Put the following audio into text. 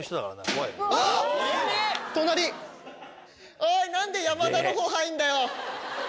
おい何で山田のほう入るんだよ！